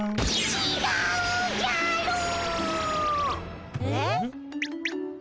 ちがうじゃろー。